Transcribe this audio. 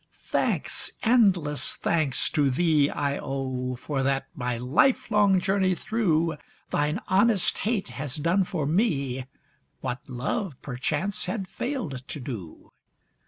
Thanks, endless thanks, to thee I owe For that my lifelong journey through Thine honest hate has done for me What love perchance had failed to do.